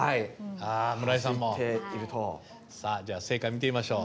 あ村井さんも。じゃあ正解見てみましょう。